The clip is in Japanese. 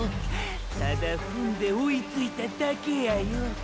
ただ踏んで追いついただけやよ。